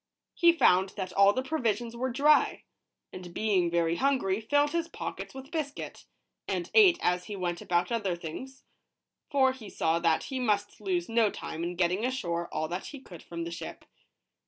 He found that all the provisions were dry, and being very hungry, filled his pock ets with biscuit, and ate as he went about other things ; for he saw that he must lose no time in getting ashore all that he could from the ship.